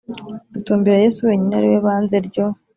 dutumbira Yesu wenyine ari we Banze ryo